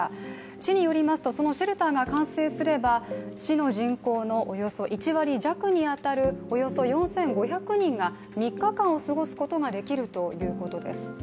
市によりますと、そのシェルターが完成すれば、市の人口のおよそ１割弱に当たるおよそ４５００人が３日間を過ごすことができるということです。